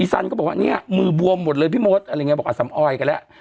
สันก็บอกว่าเนี่ยมือบวมหมดเลยพี่มดอะไรอย่างนี้บอกอสำออยกันแล้ว